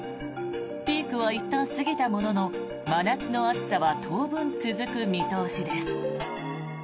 ピークはいったん過ぎたものの真夏の暑さは当分続く見通しです。